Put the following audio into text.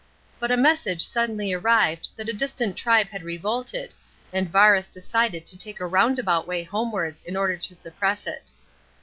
But a message suddenly arrived that a distant tribe had revolt d, and Varus decided to take a roundabout way homewards in order to suppress it.